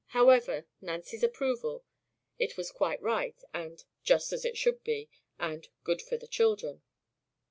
However, Nancy approved: "It was quite right," and "just as it should be," and "good for the children."